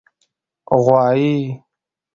🐂 غوایی